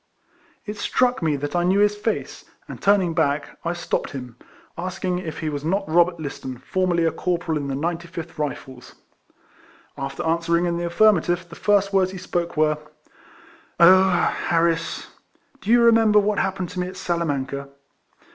It struck rae that I knew his face, and, turning back, I stopped him, asking if he was not Robert Listen, formerly a cor poral in the Ninty fifth Rifles ? After answer ing in the affirmative, the first words he spoke were, " Oh ! Harris ! do you remember what happened to me at Salamanca?"